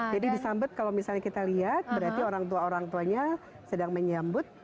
jadi disambut kalau misalnya kita lihat berarti orang tua orang tuanya sedang menyambut